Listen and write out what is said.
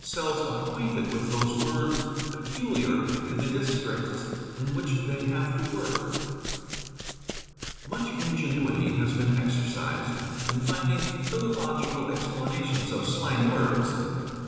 selves acquainted with those words peculiar to the districts in which they have to work. Much ingenuity has been exercised in finding philological explanations: of slang words.